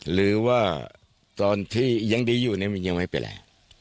หรือว่าตอนที่ยังดีอยู่เนี่ยมันยังไม่เป็นไร